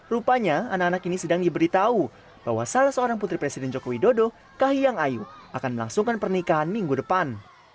rupanya anak anak ini sedang diberitahu bahwa salah seorang putri presiden joko widodo kahiyang ayu akan melangsungkan pernikahan minggu depan